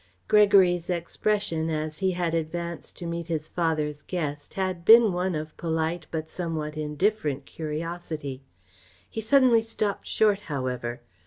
Gregory's expression, as he had advanced to meet his father's guest, had been one of polite but somewhat indifferent curiosity. He suddenly stopped short, however.